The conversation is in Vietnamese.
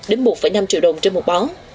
đến một năm triệu đồng trên một bó